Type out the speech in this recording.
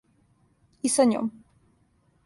И са њом.